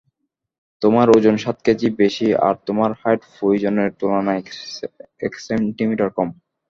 তোমার ওজন সাত কেজি বেশি আর তোমার হাইট প্রয়োজনের তুলনায় এক সেমি কম।